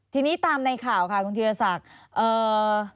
ทีนี้ตามในข่าวค่ะคุณธีรศักดิ์เอ่อ